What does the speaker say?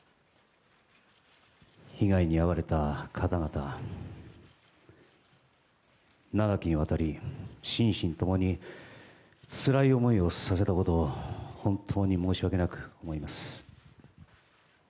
被害に遭われた方々、長きにわたり心身ともにつらい思いをさせたことを、本当に申し訳なく思います。